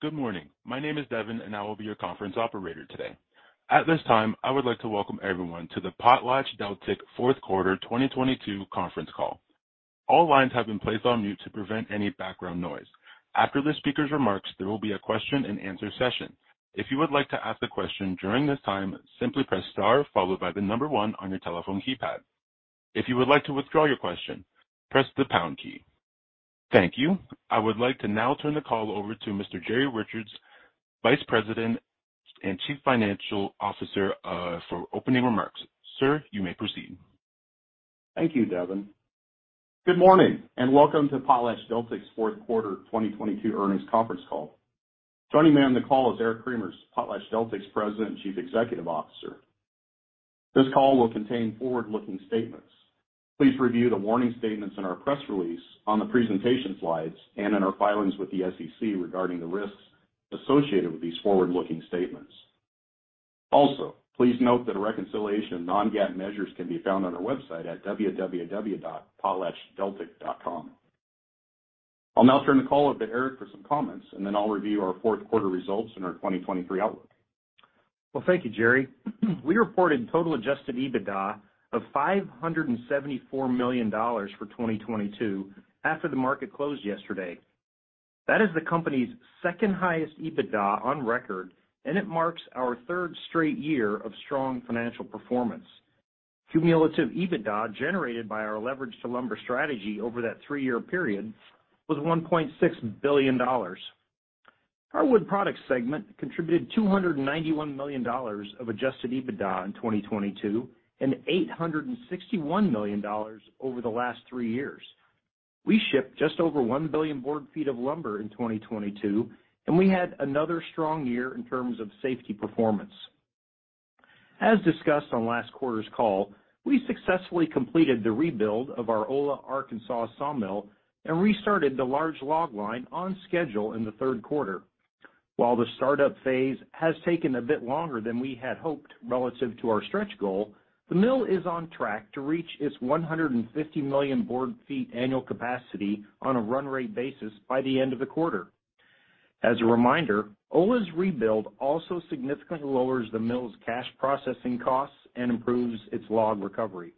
Good morning. My name is Devin. I will be your conference operator today. At this time, I would like to welcome everyone to the PotlatchDeltic Fourth Quarter 2022 conference call. All lines have been placed on mute to prevent any background noise. After the speaker's remarks, there will be a question-and-answer session. If you would like to ask a question during this time, simply press star followed by 1 on your telephone keypad. If you would like to withdraw your question, press the pound key. Thank you. I would like to now turn the call over to Mr. Jerry Richards, Vice President and Chief Financial Officer, for opening remarks. Sir, you may proceed. Thank you, Devin. Good morning, and welcome to PotlatchDeltic's fourth quarter 2022 earnings conference call. Joining me on the call is Eric Cremers, PotlatchDeltic's President and Chief Executive Officer. This call will contain forward-looking statements. Please review the warning statements in our press release on the presentation slides and in our filings with the SEC regarding the risks associated with these forward-looking statements. Also, please note that a reconciliation of non-GAAP measures can be found on our website at www.potlatchdeltic.com. I'll now turn the call over to Eric for some comments, and then I'll review our fourth quarter results and our 2023 outlook. Well, thank you, Jerry. We reported total adjusted EBITDA of $574 million for 2022 after the market closed yesterday. That is the company's second-highest EBITDA on record, and it marks our third straight year of strong financial performance. Cumulative EBITDA generated by our leveraged lumber strategy over that three-year period was $1.6 billion. Our wood products segment contributed $291 million of adjusted EBITDA in 2022 and $861 million over the last three years. We shipped just over 1 billion board feet of lumber in 2022, and we had another strong year in terms of safety performance. As discussed on last quarter's call, we successfully completed the rebuild of our Ola, Arkansas sawmill and restarted the large log line on schedule in the third quarter. While the start-up phase has taken a bit longer than we had hoped relative to our stretch goal, the mill is on track to reach its 150 million board feet annual capacity on a run rate basis by the end of the quarter. As a reminder, Ola's rebuild also significantly lowers the mill's cash processing costs and improves its log recovery.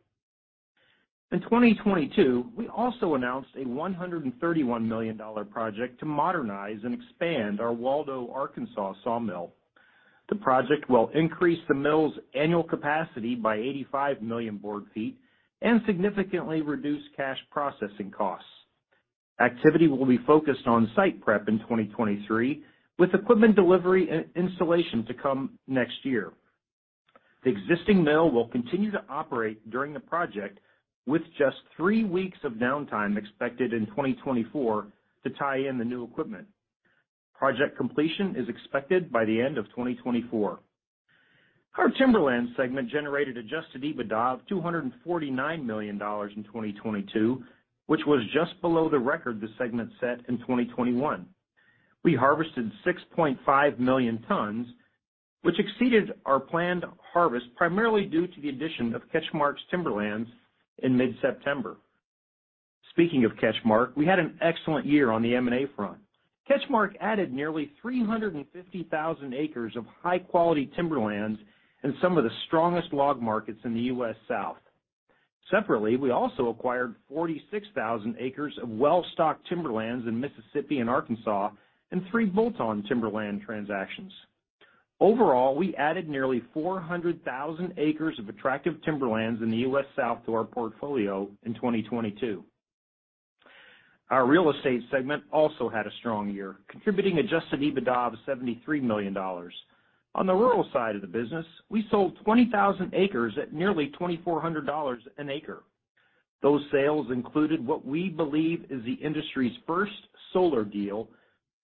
In 2022, we also announced a $131 million project to modernize and expand our Waldo, Arkansas sawmill. The project will increase the mill's annual capacity by 85 million board feet and significantly reduce cash processing costs. Activity will be focused on-site prep in 2023, with equipment delivery and installation to come next year. The existing mill will continue to operate during the project, with just three weeks of downtime expected in 2024 to tie in the new equipment. Project completion is expected by the end of 2024. Our timberland segment generated adjusted EBITDA of $249 million in 2022, which was just below the record the segment set in 2021. We harvested 6.5 million tons, which exceeded our planned harvest, primarily due to the addition of CatchMark's timberlands in mid-September. Speaking of CatchMark, we had an excellent year on the M&A front. CatchMark added nearly 350,000 acres of high-quality timberlands in some of the strongest log markets in the U.S. South. Separately, we also acquired 46,000 acres of well-stocked timberlands in Mississippi and Arkansas and 3 bolt-on timberland transactions. Overall, we added nearly 400,000 acres of attractive timberlands in the U.S. South to our portfolio in 2022. Our real estate segment also had a strong year, contributing adjusted EBITDA of $73 million. On the rural side of the business, we sold 20,000 acres at nearly $2,400 an acre. Those sales included what we believe is the industry's first solar deal,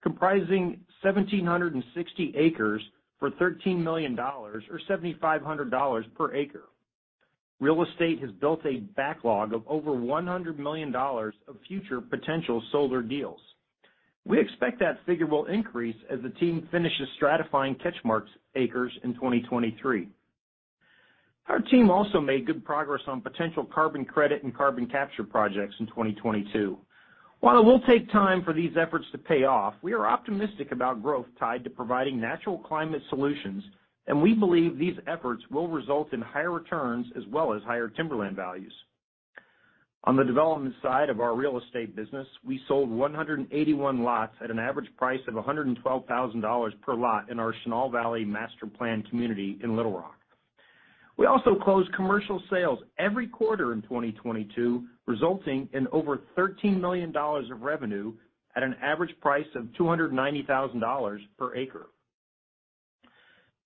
comprising 1,760 acres for $13 million or $7,500 per acre. Real estate has built a backlog of over $100 million of future potential solar deals. We expect that figure will increase as the team finishes stratifying CatchMark's acres in 2023. Our team also made good progress on potential carbon credit and carbon capture projects in 2022. While it will take time for these efforts to pay off, we are optimistic about growth tied to providing natural climate solutions, and we believe these efforts will result in higher returns as well as higher timberland values. On the development side of our real estate business, we sold 181 lots at an average price of $112,000 per lot in our Chenal Valley master-planned community in Little Rock. We also closed commercial sales every quarter in 2022, resulting in over $13 million of revenue at an average price of $290,000 per acre.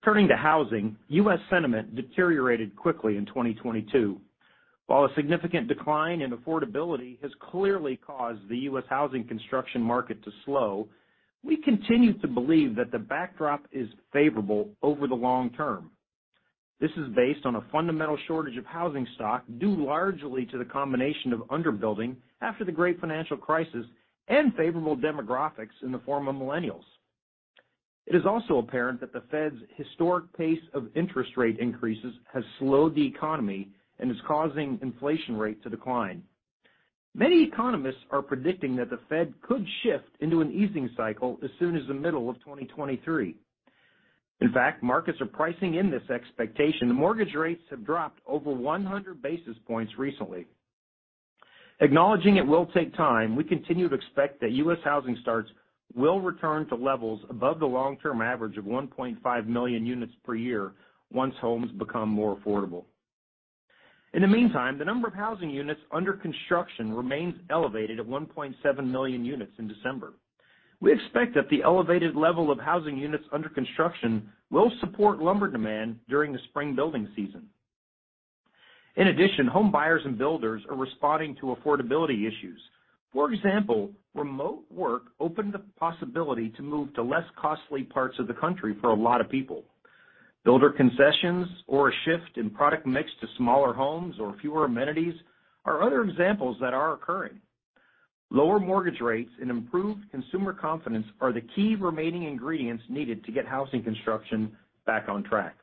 Turning to housing, U.S. sentiment deteriorated quickly in 2022. While a significant decline in affordability has clearly caused the U.S. housing construction market to slow, we continue to believe that the backdrop is favorable over the long term. This is based on a fundamental shortage of housing stock due largely to the combination of under-building after the great financial crisis and favorable demographics in the form of millennials. It is also apparent that the Fed's historic pace of interest rate increases has slowed the economy and is causing inflation rate to decline. Many economists are predicting that the Fed could shift into an easing cycle as soon as the middle of 2023. In fact, markets are pricing in this expectation. The mortgage rates have dropped over 100 basis points recently. Acknowledging it will take time, we continue to expect that U.S. housing starts will return to levels above the long-term average of 1.5 million units per year once homes become more affordable. In the meantime, the number of housing units under construction remains elevated at 1.7 million units in December. We expect that the elevated level of housing units under construction will support lumber demand during the spring building season. Home buyers and builders are responding to affordability issues. Remote work opened the possibility to move to less costly parts of the country for a lot of people. Builder concessions or a shift in product mix to smaller homes or fewer amenities are other examples that are occurring. Lower mortgage rates and improved consumer confidence are the key remaining ingredients needed to get housing construction back on track.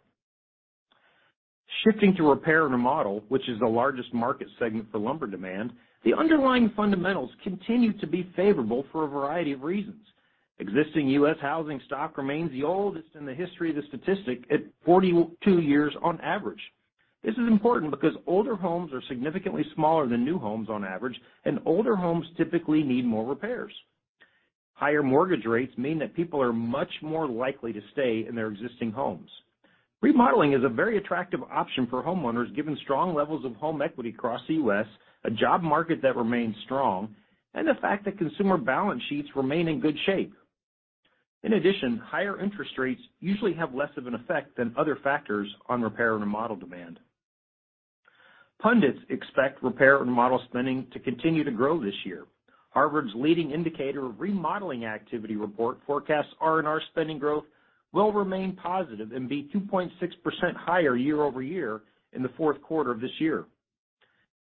Shifting to repair and remodel, which is the largest market segment for lumber demand, the underlying fundamentals continue to be favorable for a variety of reasons. Existing U.S. housing stock remains the oldest in the history of the statistic at 42 years on average. This is important because older homes are significantly smaller than new homes on average, and older homes typically need more repairs. Higher mortgage rates mean that people are much more likely to stay in their existing homes. Remodeling is a very attractive option for homeowners given strong levels of home equity across the U.S., a job market that remains strong, and the fact that consumer balance sheets remain in good shape. In addition, higher interest rates usually have less of an effect than other factors on repair and remodel demand. Pundits expect repair and remodel spending to continue to grow this year. Harvard's Leading Indicator of Remodeling Activity report forecasts R&R spending growth will remain positive and be 2.6% higher year-over-year in the fourth quarter of this year.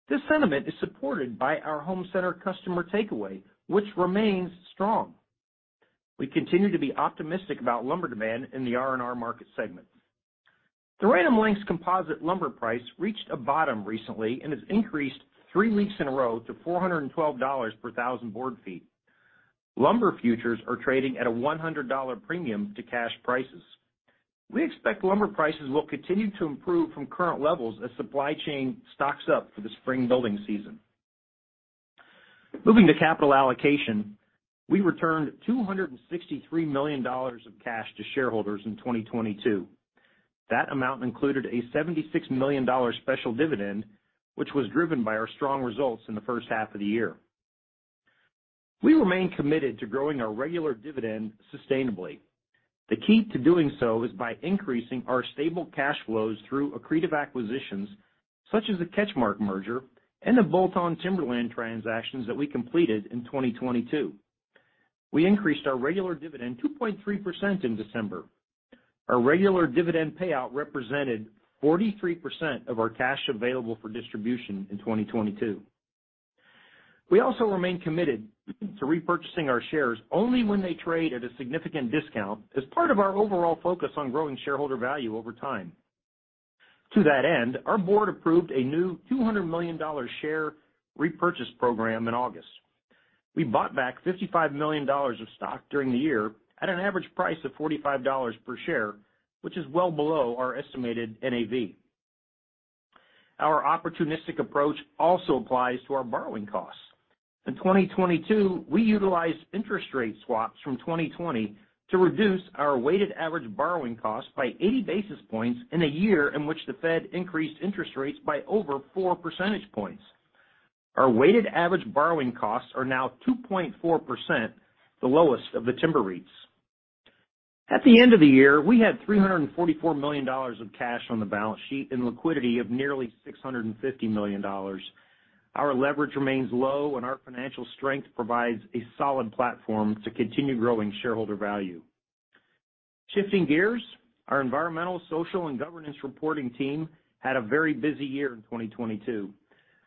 This sentiment is supported by our home center customer takeaway, which remains strong. We continue to be optimistic about lumber demand in the R&R market segment. The Random Lengths composite lumber price reached a bottom recently and has increased three weeks in a row to $412 per thousand board feet. Lumber futures are trading at a $100 premium to cash prices. We expect lumber prices will continue to improve from current levels as supply chain stocks up for the spring building season. Moving to capital allocation, we returned $263 million of cash to shareholders in 2022. That amount included a $76 million special dividend, which was driven by our strong results in the first half of the year. We remain committed to growing our regular dividend sustainably. The key to doing so is by increasing our stable cash flows through accretive acquisitions such as the CatchMark merger and the bolt-on timberland transactions that we completed in 2022. We increased our regular dividend 2.3% in December. Our regular dividend payout represented 43% of our Cash Available for Distribution in 2022. We also remain committed to repurchasing our shares only when they trade at a significant discount as part of our overall focus on growing shareholder value over time. To that end, our board approved a new $200 million share repurchase program in August. We bought back $55 million of stock during the year at an average price of $45 per share, which is well below our estimated NAV. Our opportunistic approach also applies to our borrowing costs. In 2022, we utilized interest rate swaps from 2020 to reduce our weighted average borrowing cost by 80 basis points in a year in which the Fed increased interest rates by over 4 percentage points. Our weighted average borrowing costs are now 2.4%, the lowest of the Timber REITs. At the end of the year, we had $344 million of cash on the balance sheet and liquidity of nearly $650 million. Our leverage remains low, our financial strength provides a solid platform to continue growing shareholder value. Shifting gears, our environmental, social, and governance reporting team had a very busy year in 2022.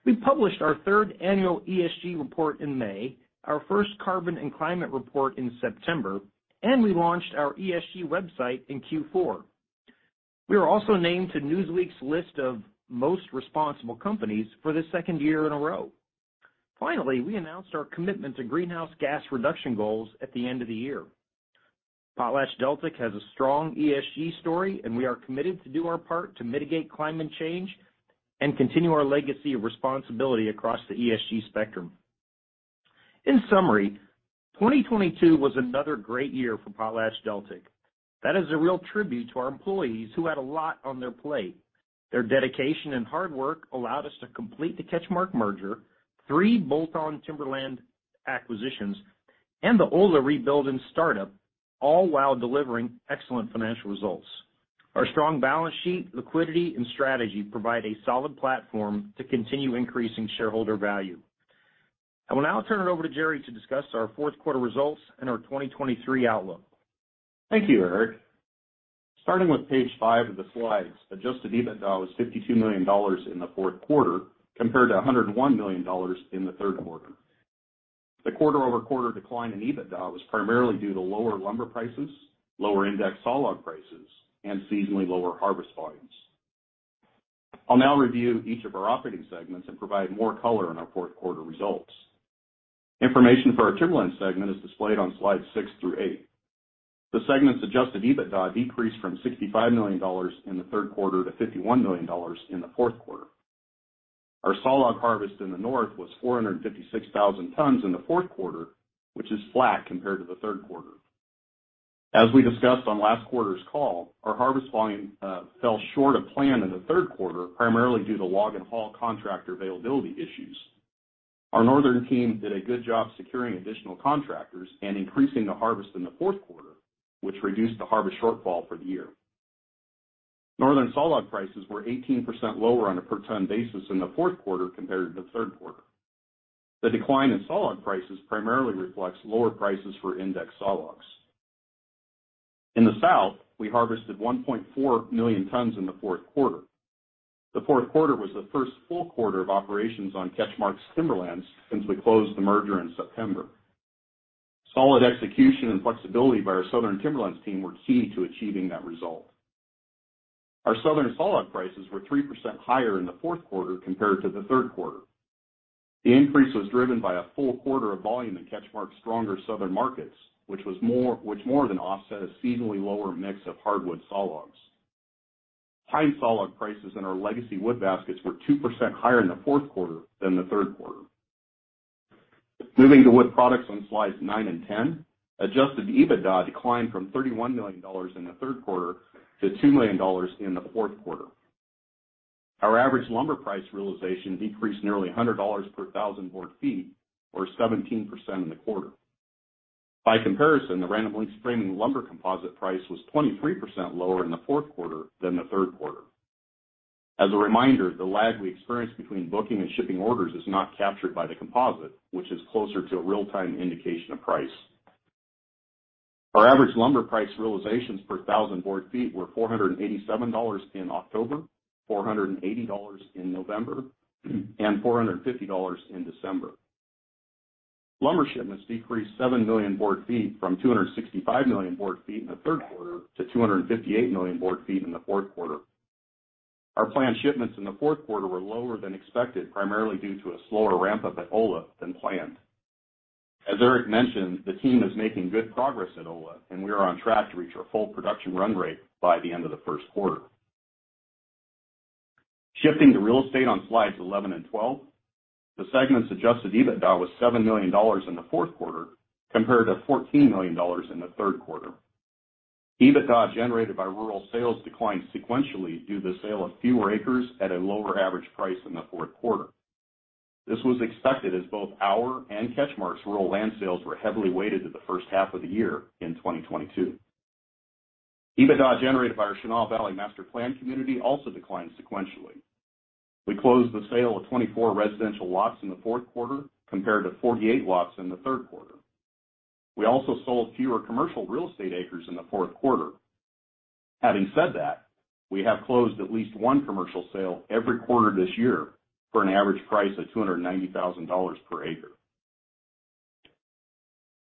We published our third annual ESG report in May, our first carbon and climate report in September, and we launched our ESG website in Q4. We were also named to Newsweek's list of most responsible companies for the second year in a row. We announced our commitment to greenhouse gas reduction goals at the end of the year. PotlatchDeltic has a strong ESG story, and we are committed to do our part to mitigate climate change and continue our legacy of responsibility across the ESG spectrum. In summary, 2022 was another great year for PotlatchDeltic. That is a real tribute to our employees who had a lot on their plate. Their dedication and hard work allowed us to complete the CatchMark merger, three bolt-on timberland acquisitions, and the Ola rebuild and startup all while delivering excellent financial results. Our strong balance sheet, liquidity, and strategy provide a solid platform to continue increasing shareholder value. I will now turn it over to Jerry to discuss our fourth quarter results and our 2023 outlook. Thank you, Eric. Starting with page five of the slides, adjusted EBITDA was $52 million in the fourth quarter compared to $101 million in the third quarter. The quarter-over-quarter decline in EBITDA was primarily due to lower lumber prices, lower index sawlog prices, and seasonally lower harvest volumes. I'll now review each of our operating segments and provide more color on our fourth quarter results. Information for our Timberlands segment is displayed on slides six through eight. The segment's adjusted EBITDA decreased from $65 million in the third quarter to $51 million in the fourth quarter. Our sawlog harvest in the North was 456,000 tons in the fourth quarter, which is flat compared to the third quarter. As we discussed on last quarter's call, our harvest volume fell short of plan in the third quarter, primarily due to log and haul contract availability issues. Our Northern team did a good job securing additional contractors and increasing the harvest in the fourth quarter, which reduced the harvest shortfall for the year. Northern sawlog prices were 18% lower on a per ton basis in the fourth quarter compared to the third quarter. The decline in sawlog prices primarily reflects lower prices for index sawlogs. In the South, we harvested 1.4 million tons in the fourth quarter. The fourth quarter was the first full quarter of operations on CatchMark's Timberlands since we closed the merger in September. Solid execution and flexibility by our Southern Timberlands team were key to achieving that result. Our southern sawlog prices were 3% higher in the fourth quarter compared to the third quarter. The increase was driven by a full quarter of volume in CatchMark's stronger southern markets, which more than offset a seasonally lower mix of hardwood sawlogs. Pine sawlog prices in our legacy wood baskets were 2% higher in the fourth quarter than the third quarter. Moving to Wood Products on slides 9 and 10, adjusted EBITDA declined from $31 million in the third quarter to $2 million in the fourth quarter. Our average lumber price realization decreased nearly $100 per thousand board feet, or 17% in the quarter. By comparison, the Random Lengths framing lumber composite price was 23% lower in the fourth quarter than the third quarter. As a reminder, the lag we experience between booking and shipping orders is not captured by the composite, which is closer to a real-time indication of price. Our average lumber price realizations per thousand board feet were $487 in October, $480 in November, and $450 in December. Lumber shipments decreased 7 million board feet from 265 million board feet in the 3rd quarter to 258 million board feet in the 4th quarter. Our planned shipments in the 4th quarter were lower than expected, primarily due to a slower ramp-up at Ola than planned. As Eric mentioned, the team is making good progress at Ola, and we are on track to reach our full production run rate by the end of the 1st quarter. Shifting to Real Estate on slides 11 and 12, the segment's adjusted EBITDA was $7 million in the fourth quarter compared to $14 million in the third quarter. EBITDA generated by rural sales declined sequentially due to the sale of fewer acres at a lower average price in the fourth quarter. This was expected as both our and CatchMark's rural land sales were heavily weighted to the first half of the year in 2022. EBITDA generated by our Chenal Valley master-planned community also declined sequentially. We closed the sale of 24 residential lots in the fourth quarter compared to 48 lots in the third quarter. We also sold fewer commercial real estate acres in the fourth quarter. Having said that, we have closed at least one commercial sale every quarter this year for an average price of $290,000 per acre.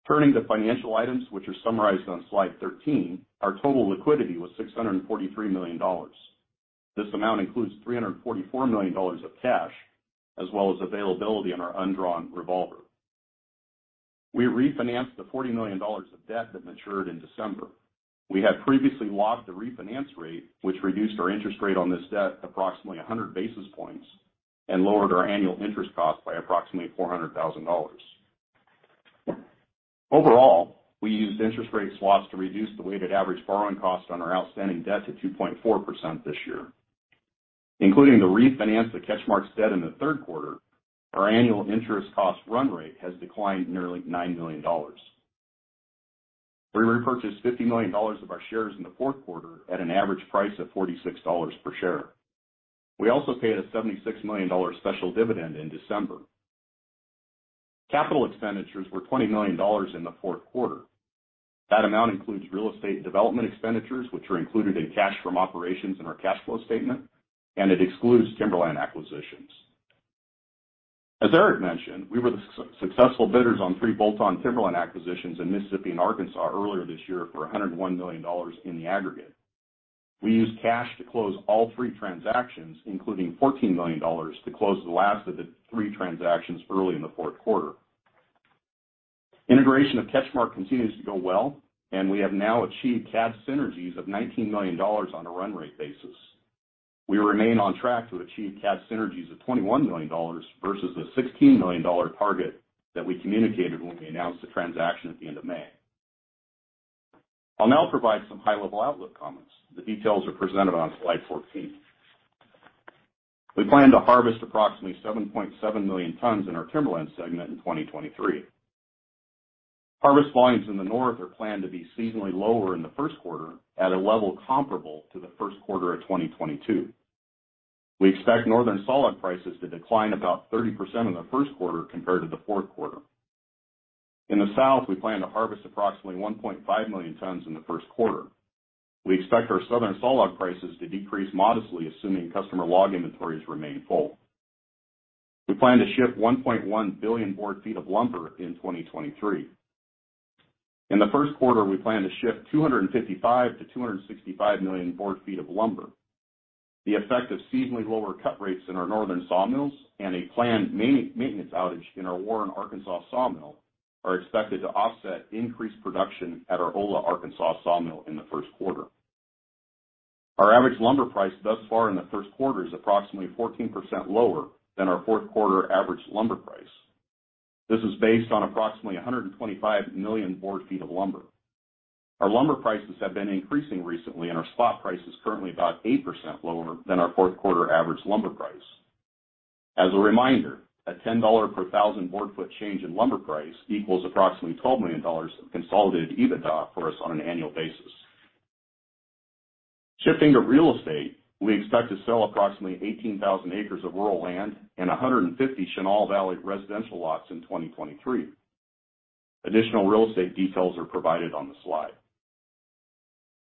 Turning to financial items, which are summarized on slide 13, our total liquidity was $643 million. This amount includes $344 million of cash as well as availability on our undrawn revolver. We refinanced the $40 million of debt that matured in December. We had previously locked the refinance rate, which reduced our interest rate on this debt approximately 100 basis points and lowered our annual interest cost by approximately $400,000. Overall, we used interest rate swaps to reduce the weighted average borrowing cost on our outstanding debt to 2.4% this year. Including the refinance of CatchMark's debt in the third quarter, our annual interest cost run rate has declined nearly $9 million. We repurchased $50 million of our shares in the fourth quarter at an average price of $46 per share. We also paid a $76 million special dividend in December. Capital expenditures were $20 million in the fourth quarter. That amount includes real estate development expenditures, which are included in cash from operations in our cash flow statement, and it excludes Timberland acquisitions. As Eric mentioned, we were the successful bidders on three bolt-on Timberland acquisitions in Mississippi and Arkansas earlier this year for $101 million in the aggregate. We used cash to close all three transactions, including $14 million to close the last of the three transactions early in the fourth quarter. Integration of CatchMark continues to go well, and we have now achieved cash synergies of $19 million on a run rate basis. We remain on track to achieve cash synergies of $21 million versus the $16 million target that we communicated when we announced the transaction at the end of May. I'll now provide some high-level outlook comments. The details are presented on slide 14. We plan to harvest approximately 7.7 million tons in our Timberlands segment in 2023. Harvest volumes in the North are planned to be seasonally lower in the first quarter at a level comparable to the first quarter of 2022. We expect Northern sawlog prices to decline about 30% in the first quarter compared to the fourth quarter. In the South, we plan to harvest approximately 1.5 million tons in the first quarter. We expect our southern sawlog prices to decrease modestly, assuming customer log inventories remain full. We plan to ship 1.1 billion board feet of lumber in 2023. In the first quarter, we plan to ship 255-265 million board feet of lumber. The effect of seasonally lower cut rates in our northern sawmills and a planned maintenance outage in our Warren, Arkansas sawmill are expected to offset increased production at our Ola, Arkansas sawmill in the first quarter. Our average lumber price thus far in the first quarter is approximately 14% lower than our fourth quarter average lumber price. This is based on approximately 125 million board feet of lumber. Our lumber prices have been increasing recently, and our spot price is currently about 8% lower than our fourth quarter average lumber price. As a reminder, a $10 per 1,000 board foot change in lumber price equals approximately $12 million of consolidated EBITDA for us on an annual basis. Shifting to real estate, we expect to sell approximately 18,000 acres of rural land and 150 Chenal Valley residential lots in 2023. Additional real estate details are provided on the slide.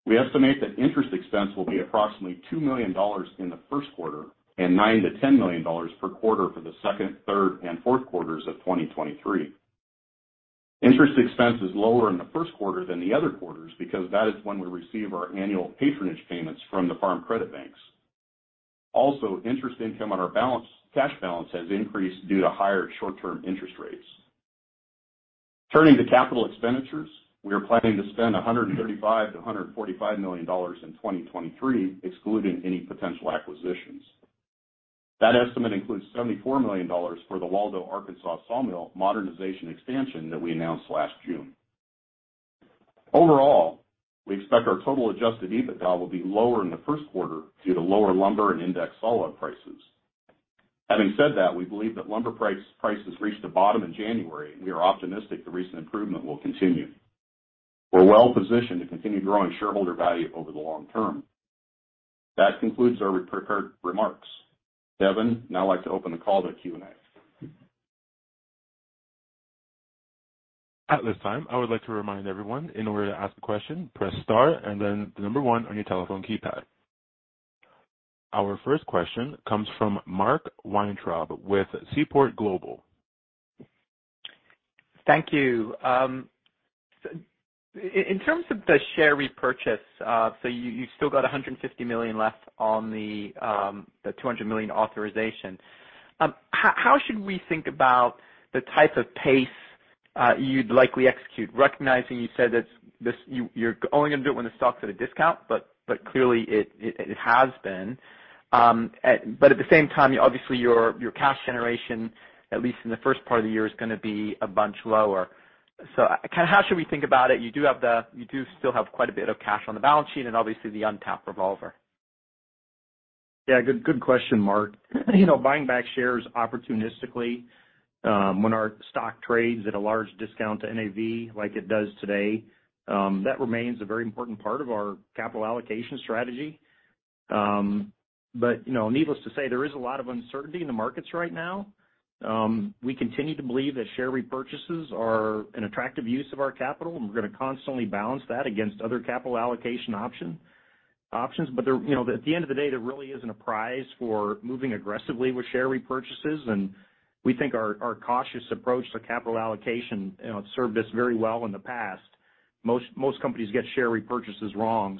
We estimate that interest expense will be approximately $2 million in the first quarter and $9 million-$10 million per quarter for the second, third and fourth quarters of 2023. Interest expense is lower in the first quarter than the other quarters because that is when we receive our annual patronage payments from the Farm Credit banks. Interest income on our cash balance has increased due to higher short-term interest rates. Turning to capital expenditures, we are planning to spend $135 million-$145 million in 2023, excluding any potential acquisitions. That estimate includes $74 million for the Waldo Arkansas sawmill modernization expansion that we announced last June. Overall, we expect our total adjusted EBITDA will be lower in the first quarter due to lower lumber and index sawlog prices. Having said that, we believe that lumber price has reached a bottom in January, we are optimistic the recent improvement will continue. We're well-positioned to continue growing shareholder value over the long term. That concludes our prepared remarks. Devin, now I'd like to open the call to Q&A. At this time, I would like to remind everyone, in order to ask a question, press star and then the number one on your telephone keypad. Our first question comes from Mark Weintraub with Seaport Global. Thank you. In terms of the share repurchase, so you still got $150 million left on the $200 million authorization. How should we think about the type of pace you'd likely execute, recognizing you said that you're only gonna do it when the stock's at a discount, but clearly it has been. But at the same time, obviously your cash generation, at least in the first part of the year, is gonna be a bunch lower. How should we think about it? You do still have quite a bit of cash on the balance sheet and obviously the untapped revolver. Yeah. Good question, Mark. You know, buying back shares opportunistically, when our stock trades at a large discount to NAV like it does today, that remains a very important part of our capital allocation strategy. You know, needless to say, there is a lot of uncertainty in the markets right now. We continue to believe that share repurchases are an attractive use of our capital, and we're gonna constantly balance that against other capital allocation options. There, you know, at the end of the day, there really isn't a prize for moving aggressively with share repurchases, and we think our cautious approach to capital allocation, you know, served us very well in the past. Most companies get share repurchases wrong.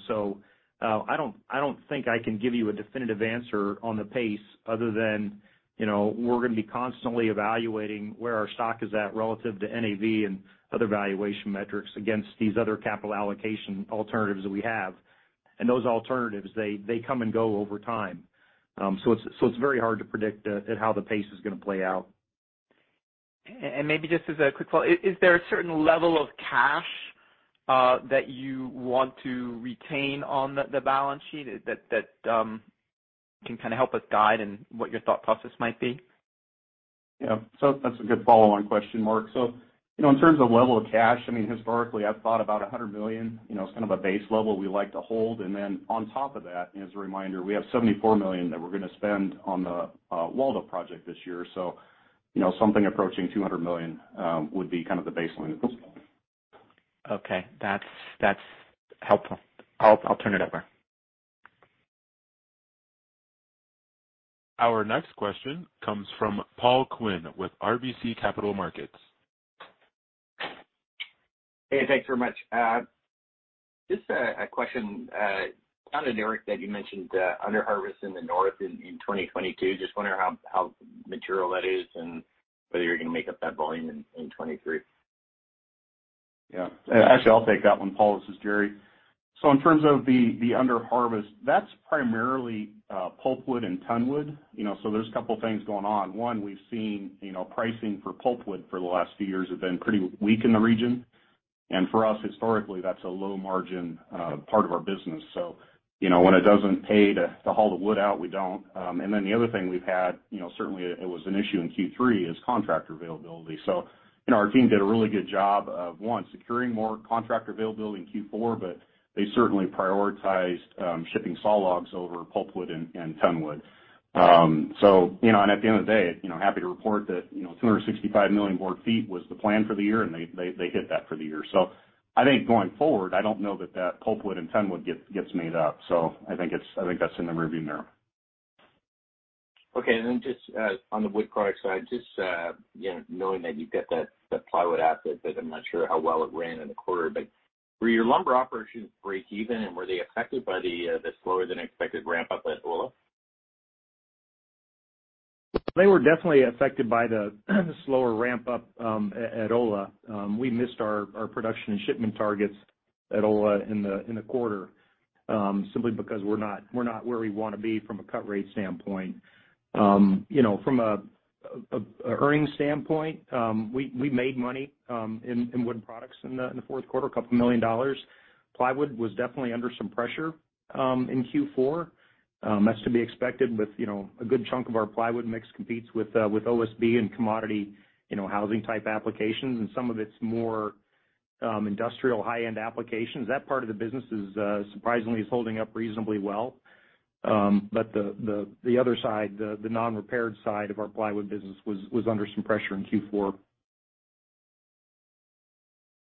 I don't think I can give you a definitive answer on the pace other than, you know, we're gonna be constantly evaluating where our stock is at relative to NAV and other valuation metrics against these other capital allocation alternatives that we have. Those alternatives, they come and go over time. It's very hard to predict how the pace is gonna play out. Maybe just as a quick follow, is there a certain level of cash that you want to retain on the balance sheet that can kind of help us guide in what your thought process might be? Yeah. That's a good follow on question, Mark. You know, in terms of level of cash, I mean, historically, I've thought about $100 million. You know, it's kind of a base level we like to hold. Then on top of that, as a reminder, we have $74 million that we're gonna spend on the Waldo project this year. You know, something approaching $200 million would be kind of the baseline at this point. Okay. That's helpful. I'll turn it over. Our next question comes from Paul Quinn with RBC Capital Markets. Hey, thanks very much. Just a question, kind of E, that you mentioned, under-harvest in the North in 2022. Just wondering how material that is and whether you're gonna make up that volume in 2023. Yeah. Actually, I'll take that one, Paul. This is Jerry. In terms of the under-harvest, that's primarily, pulpwood and tonwood. You know, there's a couple things going on. One, we've seen, you know, pricing for pulpwood for the last few years have been pretty weak in the region. For us, historically, that's a low margin part of our business. You know, when it doesn't pay to haul the wood out, we don't. The other thing we've had, you know, certainly it was an issue in Q3 is contractor availability. Our team did a really good job of, one, securing more contractor availability in Q4, but they certainly prioritized shipping sawlogs over pulpwood and tonwood. At the end of the day, you know, happy to report that, you know, 265 million board feet was the plan for the year, and they hit that for the year. I think going forward, I don't know that that pulpwood and tonwood gets made up. I think that's in the rearview mirror. Okay. Just, on the wood product side, just, you know, knowing that you've got that plywood asset, but I'm not sure how well it ran in the quarter. Were your lumber operations breakeven, and were they affected by the slower than expected ramp-up at Ola? They were definitely affected by the slower ramp-up at Ola. We missed our production and shipment targets at Ola in the quarter simply because we're not where we wanna be from a cut rate standpoint. You know, from a earnings standpoint, we made money in wood products in the fourth quarter, $2 million. Plywood was definitely under some pressure in Q4. That's to be expected, you know, a good chunk of our plywood mix competes with OSB and commodity, you know, housing type applications, and some of it's more industrial high-end applications. That part of the business is surprisingly is holding up reasonably well. The other side, the non-repaired side of our plywood business was under some pressure in Q4.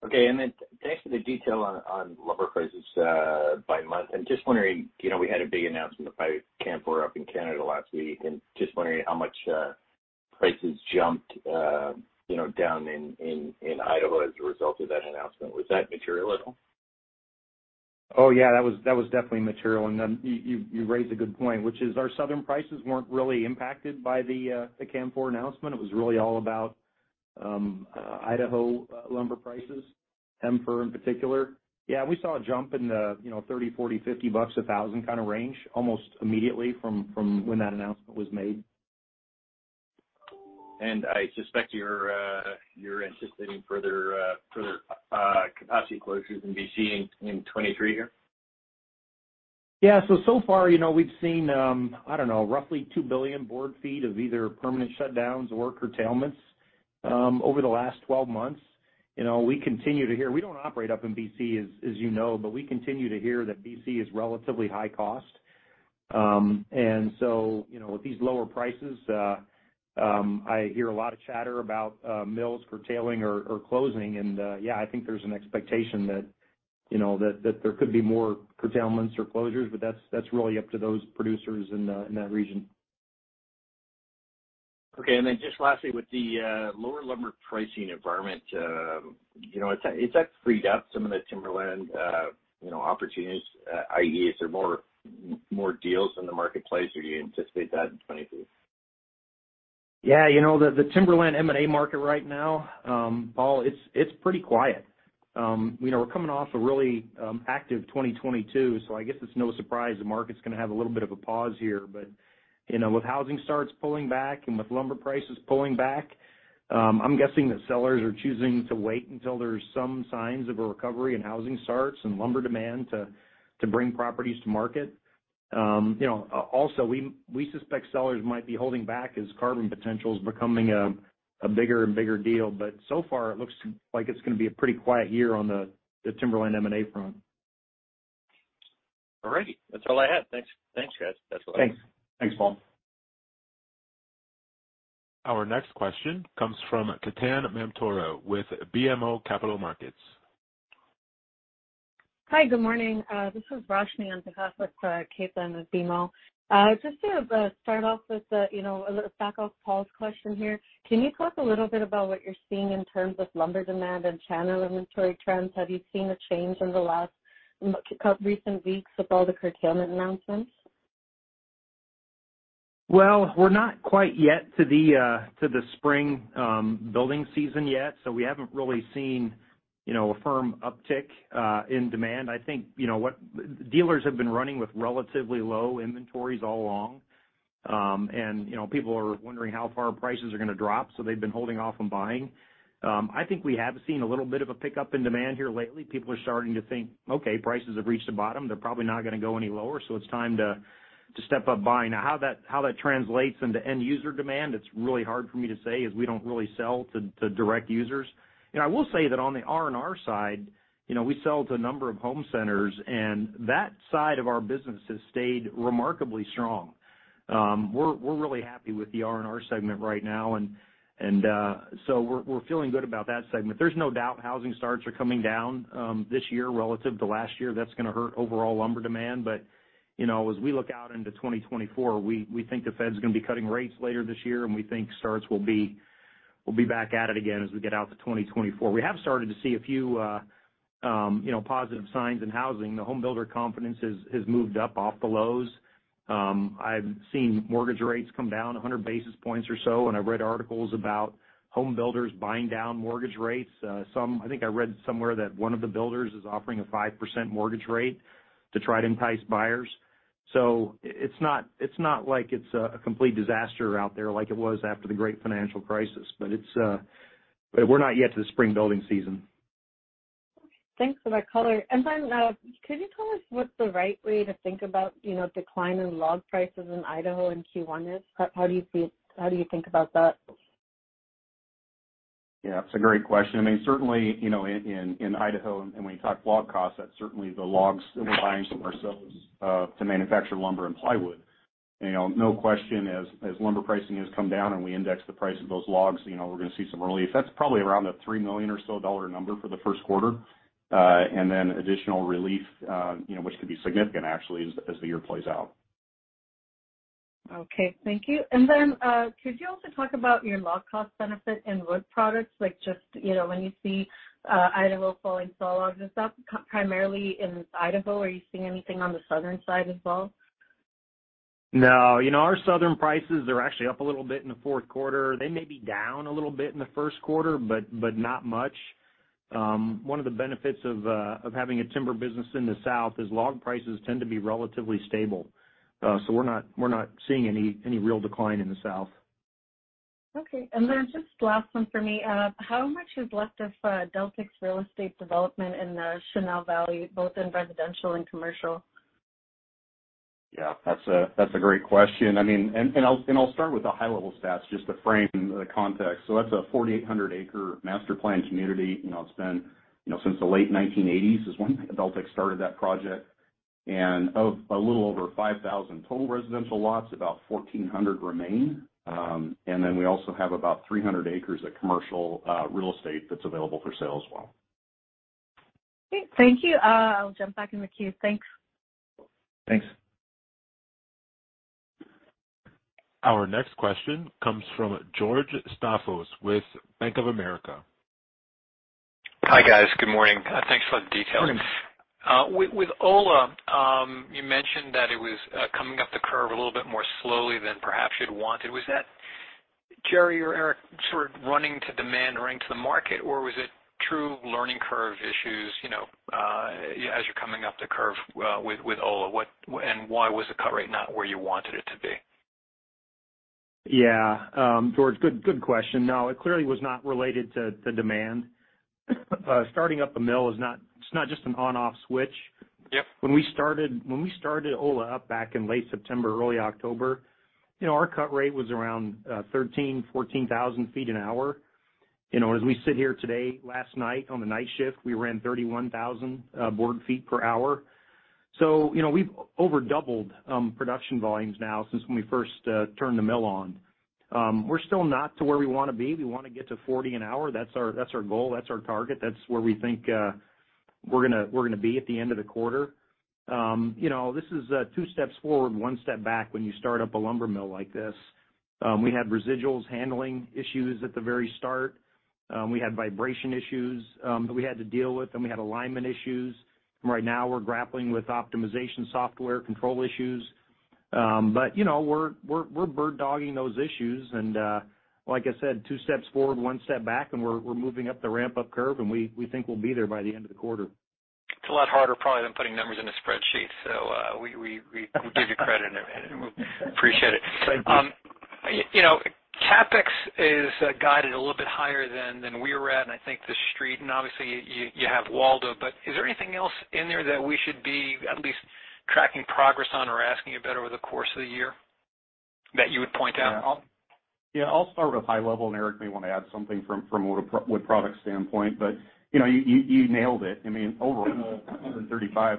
Okay. Thanks for the detail on lumber prices by month. I'm just wondering, you know, we had a big announcement by Canfor up in Canada last week. Just wondering how much prices jumped, you know, down in Idaho as a result of that announcement. Was that material at all? Oh, yeah. That was definitely material. You raised a good point, which is our southern prices weren't really impacted by the Canfor announcement. It was really all about Idaho lumber prices, Hem-Fir in particular. Yeah, we saw a jump in the, you know, $30-$40-$50 a thousand kinda range almost immediately from when that announcement was made. I suspect you're anticipating further capacity closures in BC in 2023 here? Yeah. So far, you know, we've seen, I don't know, roughly 2 billion board feet of either permanent shutdowns or curtailments over the last 12 months. You know, we continue to hear. We don't operate up in BC, as you know, we continue to hear that BC is relatively high cost. You know, with these lower prices, I hear a lot of chatter about mills curtailing or closing. Yeah, I think there's an expectation that, you know, that there could be more curtailments or closures, that's really up to those producers in that region. Okay. Then just lastly, with the lower lumber pricing environment, you know, has that freed up some of the timberland, you know, opportunities, i.e., is there more, more deals in the marketplace? Or do you anticipate that in 2023? Yeah. You know, the timberland M&A market right now, Paul, it's pretty quiet. You know, we're coming off a really active 2022. I guess it's no surprise the market's gonna have a little bit of a pause here. You know, with housing starts pulling back and with lumber prices pulling back, I'm guessing that sellers are choosing to wait until there's some signs of a recovery and housing starts and lumber demand to bring properties to market. You know, also, we suspect sellers might be holding back as carbon potential is becoming a bigger and bigger deal. So far, it looks like it's gonna be a pretty quiet year on the timberland M&A front. All righty. That's all I had. Thanks. Thanks, guys. That's all I have. Thanks. Thanks, Paul. Our next question comes from Ketan Mamtora with BMO Capital Markets. Hi. Good morning. This is Roshni on behalf of Ketan with BMO. Just to start off with the, you know, a little back off Paul's question here. Can you talk a little bit about what you're seeing in terms of lumber demand and channel inventory trends? Have you seen a change in the last recent weeks with all the curtailment announcements? Well, we're not quite yet to the spring building season yet, so we haven't really seen, you know, a firm uptick in demand. I think, you know, dealers have been running with relatively low inventories all along. You know, people are wondering how far prices are gonna drop, so they've been holding off on buying. I think we have seen a little bit of a pickup in demand here lately. People are starting to think, "Okay, prices have reached the bottom. They're probably not gonna go any lower, so it's time to step up buying." Now, how that translates into end user demand, it's really hard for me to say as we don't really sell to direct users. You know, I will say that on the RNR side, you know, we sell to a number of home centers. That side of our business has stayed remarkably strong. We're really happy with the RNR segment right now. We're feeling good about that segment. There's no doubt housing starts are coming down this year relative to last year. That's gonna hurt overall lumber demand. You know, as we look out into 2024, we think the Fed's gonna be cutting rates later this year. We think starts will be back at it again as we get out to 2024. We have started to see a few, you know, positive signs in housing. The home builder confidence has moved up off the lows. I've seen mortgage rates come down 100 basis points or so, and I've read articles about home builders buying down mortgage rates. I think I read somewhere that one of the builders is offering a 5% mortgage rate to try to entice buyers. It's not, it's not like it's a complete disaster out there like it was after the great financial crisis, but we're not yet to the spring building season. Thanks for that color. Then, could you tell us what the right way to think about, you know, decline in log prices in Idaho in Q1 is? How do you think about that? Yeah, it's a great question. I mean, certainly, you know, in Idaho, when you talk log costs, that's certainly the logs that we're buying from ourselves to manufacture lumber and plywood. You know, no question, as lumber pricing has come down, we index the price of those logs, you know, we're gonna see some relief. That's probably around a $3 million or so dollar number for the first quarter, then additional relief, you know, which could be significant actually as the year plays out. Okay. Thank you. Could you also talk about your log cost benefit in wood products like just, you know, when you see Idaho falling sawlog, is that primarily in Idaho? Are you seeing anything on the southern side as well? No. You know, our Southern prices are actually up a little bit in the fourth quarter. They may be down a little bit in the first quarter, but not much. One of the benefits of having a timber business in the South is log prices tend to be relatively stable. We're not seeing any real decline in the South. Okay. Just last one for me. How much is left of Deltic's real estate development in the Chenal Valley, both in residential and commercial? Yeah, that's a, that's a great question. I mean, and I'll start with the high-level stats just to frame the context. That's a 4,800 acre master-planned community. You know, it's been, you know, since the late 1980s is when Deltic started that project. Of a little over 5,000 total residential lots, about 1,400 remain. And then we also have about 300 acres of commercial real estate that's available for sale as well. Great. Thank you. I'll jump back in the queue. Thanks. Thanks. Our next question comes from George Staphos with Bank of America. Hi, guys. Good morning. Thanks for the details. Good morning. With Ola, you mentioned that it was coming up the curve a little bit more slowly than perhaps you'd wanted. Was that, Jerry or Eric, sort of running to demand or running to the market, or was it true learning curve issues, you know, as you're coming up the curve with Ola? Why was the cut rate not where you wanted it to be? Yeah. George, good question. No, it clearly was not related to the demand. Starting up a mill, it's not just an on/off switch. Yep. When we started Ola up back in late September, early October, you know, our cut rate was around 13,000-14,000 feet an hour. You know, as we sit here today, last night on the night shift, we ran 31,000 board feet per hour. We've over doubled production volumes now since when we first turned the mill on. We're still not to where we wanna be. We wanna get to 40 an hour. That's our goal, that's our target. That's where we think we're gonna be at the end of the quarter. This is two steps forward, one step back when you start up a lumber mill like this. We had residuals handling issues at the very start. We had vibration issues, that we had to deal with, then we had alignment issues. Right now, we're grappling with optimization software control issues. You know, we're bird dogging those issues. Like I said, two steps forward, one step back, and we're moving up the ramp-up curve, and we think we'll be there by the end of the quarter. It's a lot harder probably than putting numbers in a spreadsheet. We give you credit and we appreciate it. Thank you. You know, CapEx is guided a little bit higher than we were at, and I think the Street, and obviously you have Waldo. Is there anything else in there that we should be at least tracking progress on or asking about over the course of the year that you would point out? Yeah. Yeah, I'll start with high level, Eric may want to add something from a wood product standpoint. You know, you, you nailed it. I mean, overall, $135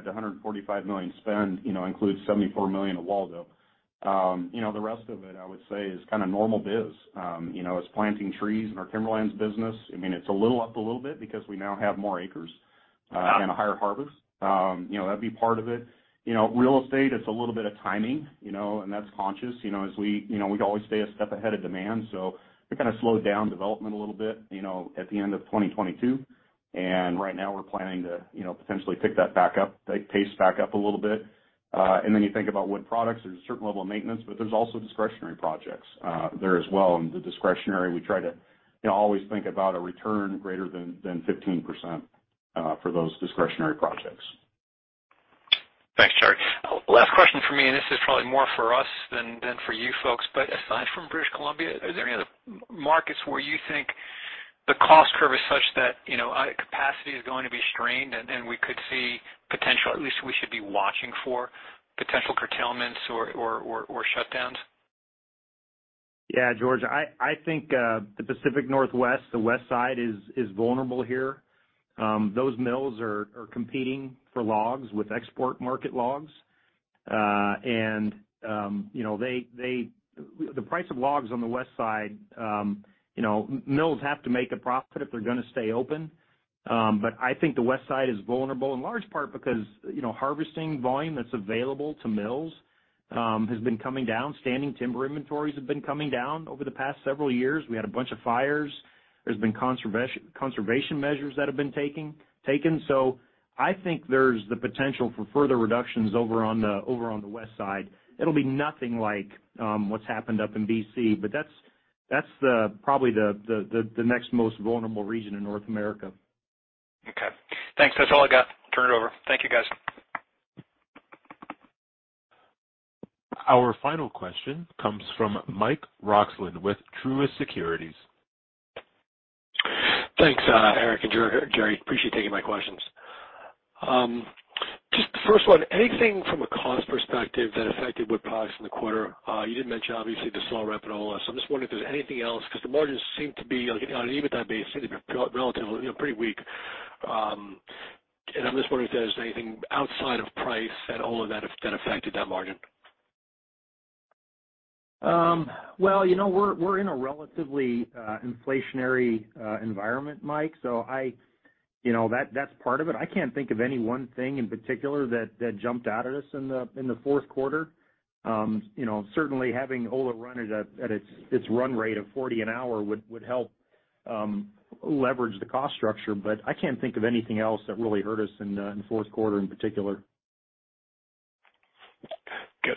million-$145 million spend, you know, includes $74 million of Waldo. You know, the rest of it, I would say is kinda normal biz. You know, it's planting trees in our timberlands business. I mean, it's a little up a little bit because we now have more acres and a higher harvest. You know, that'd be part of it. You know, real estate, it's a little bit of timing, you know, that's conscious. You know, we always stay a step ahead of demand, we kinda slowed down development a little bit, you know, at the end of 2022. Right now we're planning to, you know, potentially pick that back up, that pace back up a little bit. Then you think about wood products. There's a certain level of maintenance, but there's also discretionary projects there as well. The discretionary, we try to, you know, always think about a return greater than 15% for those discretionary projects. Thanks, Jerry. Last question from me, this is probably more for us than for you folks. Aside from British Columbia, are there any other markets where you think the cost curve is such that, you know, capacity is going to be strained, at least we should be watching for potential curtailments or shutdowns? Yeah, George. I think the Pacific Northwest, the west side is vulnerable here. Those mills are competing for logs with export market logs. You know, the price of logs on the west side, you know, mills have to make a profit if they're gonna stay open. I think the west side is vulnerable in large part because, you know, harvesting volume that's available to mills has been coming down. Standing timber inventories have been coming down over the past several years. We had a bunch of fires. There's been conservation measures that have been taken. I think there's the potential for further reductions over on the west side. It'll be nothing like, what's happened up in BC, but that's the, probably the next most vulnerable region in North America. Okay, thanks. That's all I got. Turn it over. Thank you, guys. Our final question comes from Michael Roxland with Truist Securities. Thanks, Eric and Jerry. Appreciate you taking my questions. Just first one, anything from a cost perspective that affected wood products in the quarter? You did mention obviously the slow rep and all that. I'm just wondering if there's anything else because the margins seem to be on an EBITDA base, seem to be relatively, you know, pretty weak. I'm just wondering if there's anything outside of price at all of that affected that margin? Well, you know, we're in a relatively inflationary environment, Mike, I, you know, that's part of it. I can't think of any one thing in particular that jumped out at us in the fourth quarter. You know, certainly having Ola run at its run rate of 40 an hour would help leverage the cost structure. I can't think of anything else that really hurt us in the fourth quarter in particular.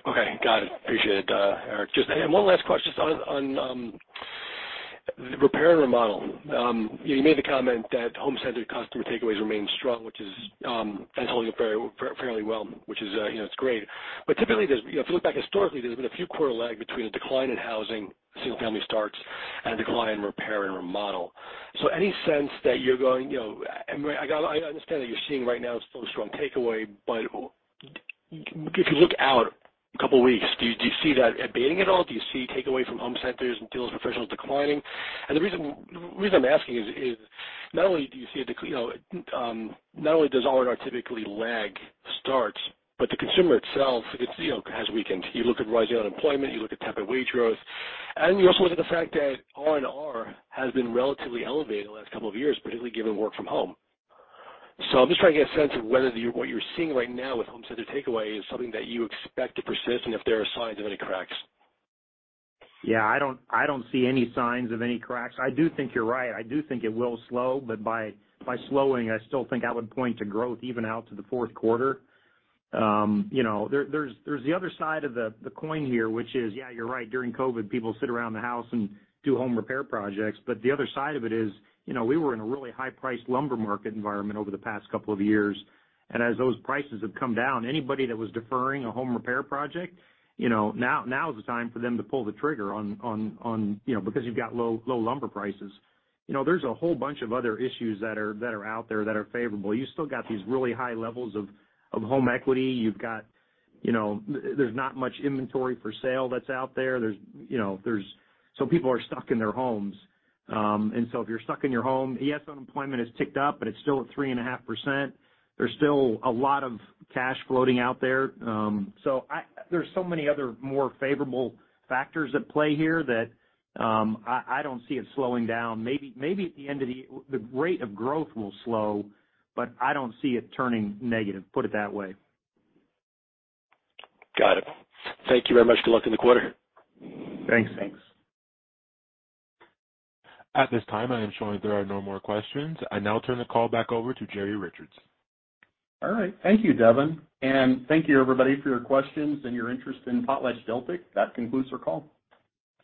Okay. Got it. Appreciate it. Eric, just one last question on repair and remodel. You made the comment that home-centered customer takeaways remain strong, which is, and holding up fairly well, which is, you know, it's great. Typically, there's, you know, if you look back historically, there's been a few quarter lag between a decline in housing, single-family starts, and a decline in repair and remodel. Any sense that you're going, you know, I understand that you're seeing right now still a strong takeaway, but if you look out a couple of weeks, do you see that abating at all? Do you see takeaway from home centers and deals with professionals declining? The reason I'm asking is, not only does RNR typically lag starts, but the consumer itself, you know, has weakened. You look at rising unemployment, you look at temp and wage growth, and you also look at the fact that RNR has been relatively elevated the last couple of years, particularly given work from home. I'm just trying to get a sense of whether what you're seeing right now with home center takeaway is something that you expect to persist and if there are signs of any cracks. Yeah, I don't see any signs of any cracks. I do think you're right. I do think it will slow, but by slowing, I still think I would point to growth even out to the fourth quarter. you know, there's the other side of the coin here, which is, yeah, you're right, during COVID, people sit around the house and do home repair projects. The other side of it is, you know, we were in a really high-priced lumber market environment over the past couple of years. As those prices have come down, anybody that was deferring a home repair project, you know, now is the time for them to pull the trigger on, you know, because you've got low lumber prices. You know, there's a whole bunch of other issues that are out there that are favorable. You still got these really high levels of home equity. You've got, you know, there's not much inventory for sale that's out there. There's, you know, people are stuck in their homes. If you're stuck in your home, yes, unemployment has ticked up, but it's still at 3.5%. There's still a lot of cash floating out there. There's so many other more favorable factors at play here that I don't see it slowing down. Maybe at the end of the year, the rate of growth will slow, but I don't see it turning negative, put it that way. Got it. Thank you very much. Good luck in the quarter. Thanks. At this time, I am showing there are no more questions. I now turn the call back over to Jerry Richards. All right. Thank you, Devin. Thank you, everybody, for your questions and your interest in PotlatchDeltic. That concludes our call.